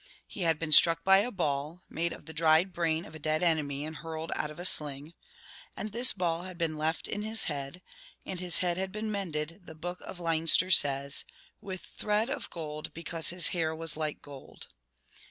He had been struck by a ball, made of the dried brain of a dead enemy, and hurled out of a sling; and this ball had been left in his head, and his head had been mended, the Book of Leinster says, with thread of gold be cause his hair was like gold.